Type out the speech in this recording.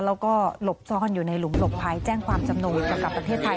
แล้วก็หลบซ่อนอยู่ในหลุมหลบภัยแจ้งความจำนวนกับประเทศไทย